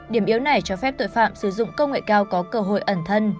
điểm yếu này cho phép tội phạm sử dụng công nghệ cao có cơ hội ẩn thân